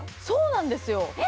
そう、そうなんですよ！